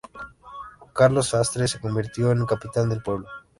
Carlos Sastre se convirtió en capitán del equipo.